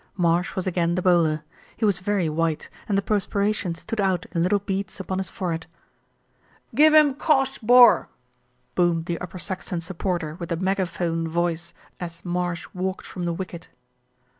Marsh was again the bowler. He was very white, and the perspiration stood out in little beads upon his forehead. "Give him cosh, bor," boomed the Upper Saxton supporter with the megaphone voice, as Marsh walked from the wicket.